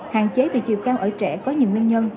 hạn chế về chiều cao ở trẻ có nhiều nguyên nhân